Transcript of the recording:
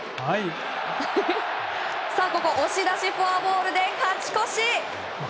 押し出しフォアボールで勝ち越し！